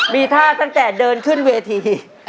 มีท่าตั้งแต่เดินขึ้นเวที